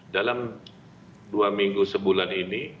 dalam dua minggu sebulan ini